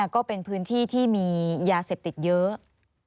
ก็เป็นพื้นที่ที่มียาเสพติดเยอะ